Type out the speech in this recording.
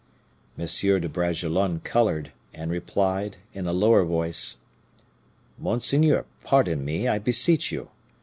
"Monseigneur de Bragelonne colored, and replied, in a lower voice, 'Monseigneur, pardon me, I beseech you.